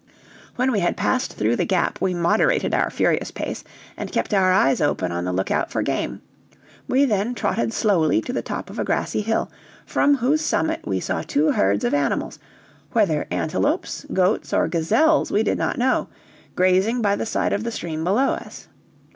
When we had passed through the Gap we moderated our furious pace and kept our eyes open on the lookout for game; we then trotted slowly to the top of a grassy hill, from whose summit we saw two herds of animals, whether antelopes, goats, or gazelles, we did not know, grazing by the side of the stream below us.